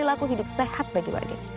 dan juga perilaku hidup sehat bagi warga